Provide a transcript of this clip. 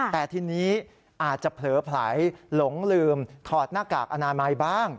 แต่ทีนี้อาจจะเผลอไผลหลงลืมถอดหน้ากากอนามัยบ้าง